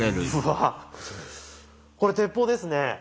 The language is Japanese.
これ鉄砲ですね。